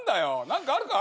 何かあるか？